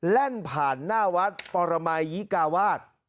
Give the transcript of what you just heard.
แล่นผ่านหน้าวัดปรมัยยิกาวาส